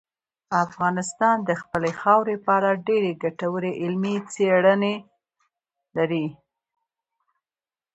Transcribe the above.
افغانستان د خپلې خاورې په اړه ډېرې ګټورې علمي څېړنې لري.